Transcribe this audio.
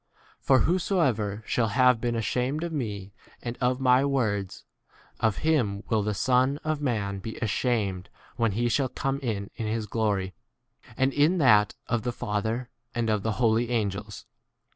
For whosoever shall have been ashamed of me and of my words, of him will the Son of man be ashamed when he shall come in his glory, and [in that] of the Father, and of the 2 ? holy angels.